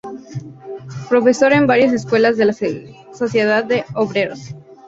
Profesor en varias escuelas de la sociedad de Obreros.